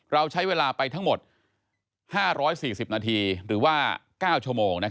เราใช้เวลาไปทั้งหมด๕๔๐นาทีหรือว่า๙ชั่วโมง